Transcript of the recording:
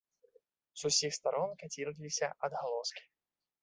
З усіх старон каціліся адгалоскі.